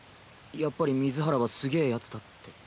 やっぱり水原はすげぇヤツだって。